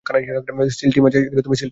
Seal team আসছে।